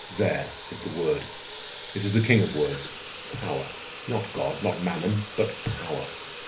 There is the word. It is the king of words—Power. Not God, not Mammon, but Power.